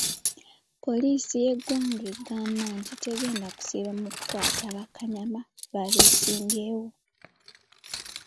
Poliisi y'eggwanga egamba nti tegenda kusibamu kukwata bakanyama ba beesimbyewo .